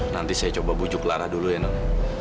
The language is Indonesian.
nanti saya coba bujuk lara dulu ya non